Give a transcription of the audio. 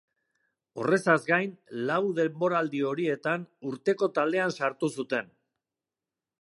Horrezaz gain, lau denboraldi horietan Urteko Taldean sartu zuten.